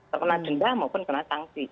terkena denda maupun kena sanksi